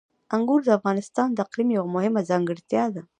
انګور د افغانستان د اقلیم یوه مهمه ځانګړتیا ده.